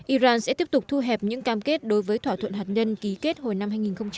iran sẽ tiếp tục thu hẹp những cam kết đối với thỏa thuận hạt nhân ký kết hồi năm hai nghìn một mươi năm